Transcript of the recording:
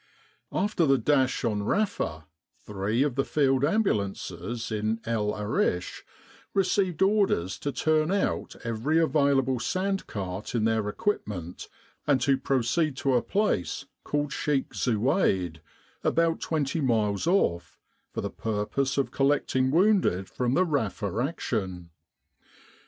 After the dash on Rafa, three of the Field Ambu lances in El Arish received orders to turn out every available sand cart in their equipment and to proceed to a place called Sheik Zuwaid, about twenty miles off, for the purpose of collecting wounded from the Rafa action.